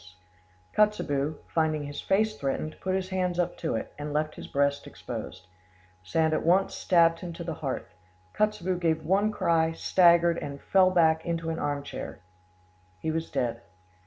S. Kotzebue, finding his face threatened, put his hands up to it, and left his breast exposed; Sand at once stabbed him to the heart; Kotzebue gave one cry, staggered, and fell back into an arm chair: he was dead.